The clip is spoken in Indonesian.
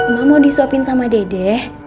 mak mau disuapin sama dede